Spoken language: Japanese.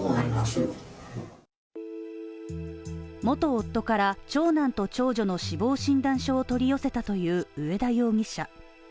元夫から長男と長女の死亡診断書を取り寄せたという上田容疑者。